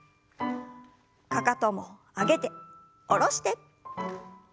かかとも上げて下ろして。